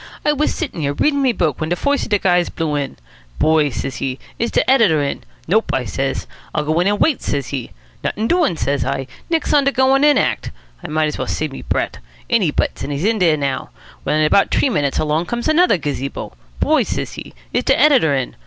"I was sittin' here, readin' me book, when de foist of de guys blew in. 'Boy,' says he, 'is de editor in?' 'Nope,' I says. 'I'll go in an' wait,' says he. 'Nuttin' doin',' says I. 'Nix on de goin' in act.' I might as well have saved me breat'. In he butts, and he's in der now. Well, in about t'ree minutes along comes another gazebo. 'Boy,' says he, 'is de editor in?'